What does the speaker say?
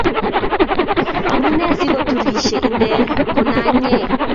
Amunee si koturishe inne ko nanyee